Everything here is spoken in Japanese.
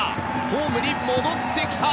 ホームに戻ってきた！